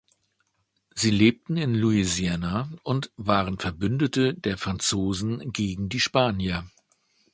Sie lebten in Louisiana und waren Verbündete der Franzosen gegen die Spanier.